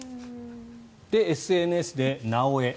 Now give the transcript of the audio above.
ＳＮＳで「なおエ」。